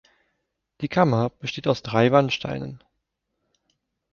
Die Kammer besteht aus drei Wandsteinen.